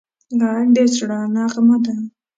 غږ د زړه نغمه ده